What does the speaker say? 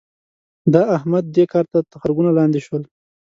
د احمد؛ دې کار ته تخرګونه لانده شول.